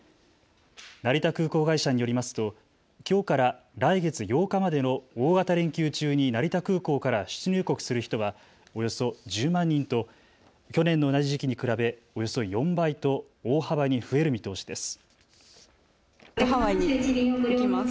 成田空港会社によりますときょうから来月８日までの大型連休中に成田空港から出入国する人はおよそ１０万人と去年の同じ時期に比べおよそ４倍と大幅に増える見通しです。